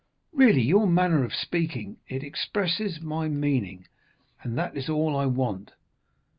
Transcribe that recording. "Really, your manner of speaking——" "It expresses my meaning, and that is all I want.